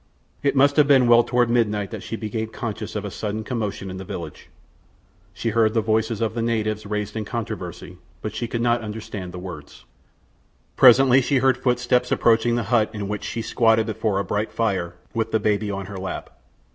It must have been well toward midnight that she became conscious of a sudden commotion in the village. She heard the voices of the natives raised in controversy, but she could not understand the words. Presently she heard footsteps approaching the hut in which she squatted before a bright fire with the baby on her lap.